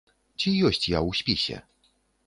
Ці ёсць я ў спісе?